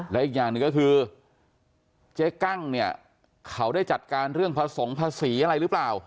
และอีกอย่างหนึ่งก็คือเจ๊กั้งเนี่ยเขาได้จัดการเรื่องผสมภาษีอะไรหรือเปล่า